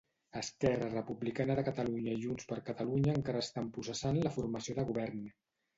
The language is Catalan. Esquerra Republicana de Catalunya i JxCat encara estan processant la formació de govern.